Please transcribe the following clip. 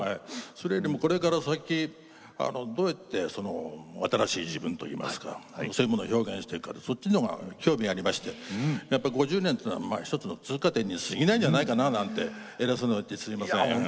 それよりもこれから先どうやって新しい自分といいますかそういうものを表現していくのかそちらの方が興味があって５０年というのは１つの通過点にすぎないんじゃないかななんて偉そうなことを言ってすみません。